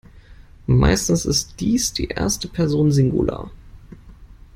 Meistens ist dies die erste Person Singular.